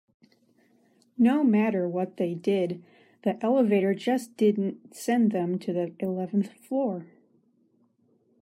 No matter what they did, the elevator just didn't send them to the eleventh floor.